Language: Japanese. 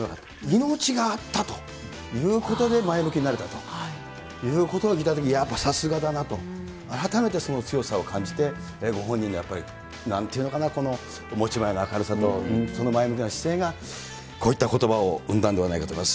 命があったということで前向きになれたということばを聞いたとき、やっぱりさすがだなと、改めてその強さを感じてご本人の、なんていうのかな、持ち前の明るさと、その前向きな姿勢がこういったことばを生んだんではないかと思います。